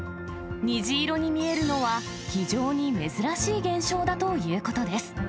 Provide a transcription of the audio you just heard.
虹色に見えるのは非常に珍しい現象だということです。